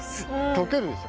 溶けるでしょ？